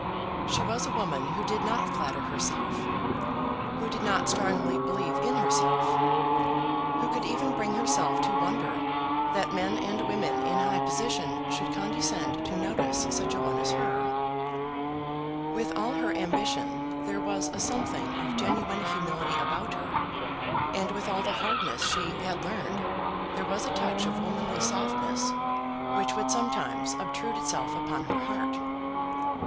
She was a woman who did not flatter herself, who did not strongly believe in herself, who could even bring herself to wonder that men and women in high position should condescend to notice such a one as her. With all her ambition, there was a something of genuine humility about her; and with all the hardness she had learned there was a touch of womanly softness which would sometimes obtrude itself upon her heart.